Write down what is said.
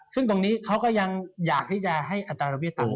ซึ่งตรงนี้เขาก็ยังอยากที่จะให้อัตราดอกเบี้ต่ำ